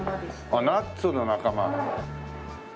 あっナッツの仲間。